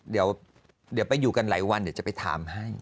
เดี๋ยวไปอยู่กันหลายวันเดี๋ยวจะไปถามให้